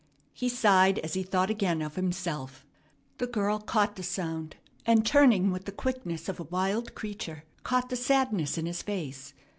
He sighed as he thought again of himself. The girl caught the sound, and, turning with the quickness of a wild creature, caught the sadness in his face.